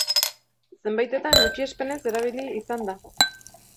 Zenbaitetan gutxiespenez erabili izan da.